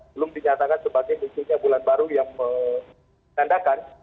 belum dinyatakan sebagai munculnya bulan baru yang menandakan